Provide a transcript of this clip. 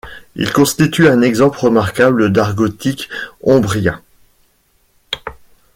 Il constitue un exemple remarquable d'art gothique ombrien.